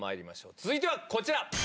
続いてはこちら。